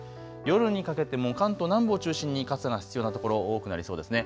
夜にかけても関東南部を中心に傘が必要な所多くなりそうですね。